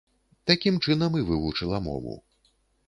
Такім чынам і вывучыла мову.